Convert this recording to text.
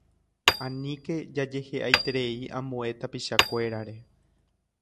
Aníke jajehe'aiterei ambue tapichakuérare.